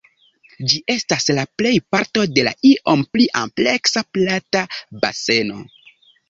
Ĝi estas la plej parto de la iom pli ampleksa Plata Baseno.